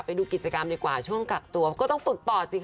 ไปดูกิจกรรมดีกว่าช่วงกักตัวก็ต้องฝึกปอดสิ